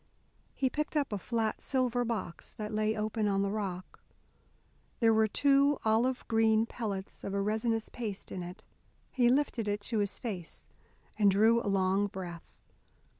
He picked up a flat silver box, that lay open on the rock. There were two olive green pellets of a resinous paste in it. He lifted it to his face, and drew a long breath.